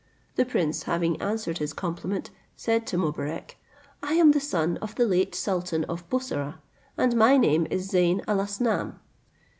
The prince, having answered his compliment, said to Mobarec, "I am the son of the late sultan of Bussorah, and my name is Zeyn Alasnam."